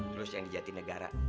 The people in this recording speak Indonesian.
terus yang dijadi negara